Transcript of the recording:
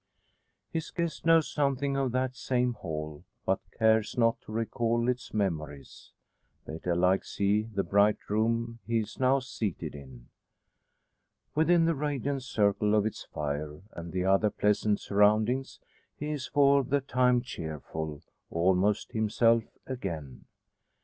His guest knows something of that same hall; but cares not to recall its memories. Better likes he the bright room he is now seated in. Within the radiant circle of its fire, and the other pleasant surroundings, he is for the time cheerful almost himself again.